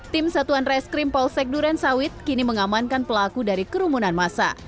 tim satuan reskrim polsek durensawit kini mengamankan pelaku dari kerumunan massa